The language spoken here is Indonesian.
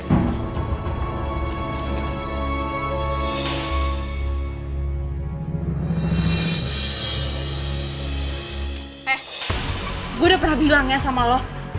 eh gue udah pernah bilang ya sama lo